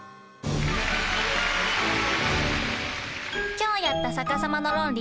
今日やった「逆さまのロンリ」。